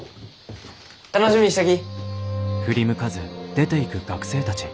楽しみにしちょき！